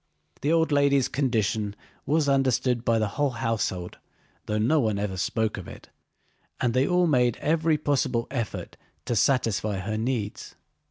The old lady's condition was understood by the whole household though no one ever spoke of it, and they all made every possible effort to satisfy her needs.